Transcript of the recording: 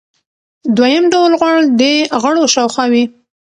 دویم ډول غوړ د غړو شاوخوا وي.